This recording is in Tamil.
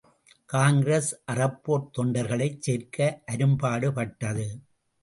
காங்கிரஸ் அறப்போர் தொண்டர்களைச் சேர்க்க அரும்பாடுபட்டது.